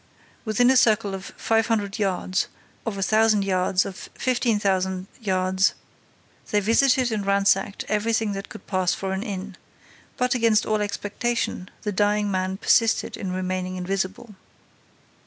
Within a circle of five hundred yards, of a thousand yards, of fifteen hundred yards, they visited and ransacked everything that could pass for an inn. But, against all expectation, the dying man persisted in remaining invisible.